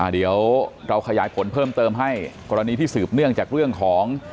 เดี๋ยวเราขยายผลเพิ่มเติมให้กรณีที่สืบเนื่องจากเรื่องของ